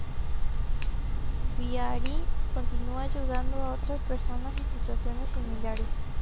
Bihari continúa ayudando a otras personas en situaciones similares.